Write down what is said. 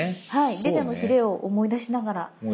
ベタのヒレを思い出しながら。